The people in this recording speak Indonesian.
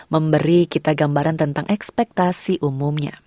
memberi kita gambaran tentang ekspektasi umumnya